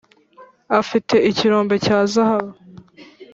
Afite ikirombe cya zahabu